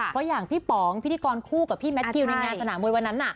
เพราะอย่างพี่ป๋องพิธีกรคู่กับพี่แมททิวในงานสนามมวยวันนั้น